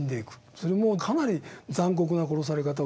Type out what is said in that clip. それもかなり残酷な殺され方をしたりする。